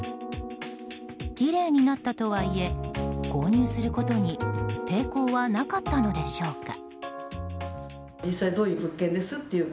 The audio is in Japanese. きれいになったとはいえ購入することに抵抗はなかったのでしょうか。